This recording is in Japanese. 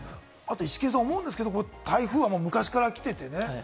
イシケンさん、思うんですけれども、台風は昔から来ててね。